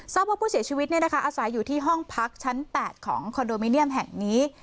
ว่าผู้เสียชีวิตอาศัยอยู่ที่ห้องพักชั้น๘ของคอนโดมิเนียมแห่งนี้